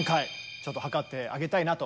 ちょっとはかってあげたいなと。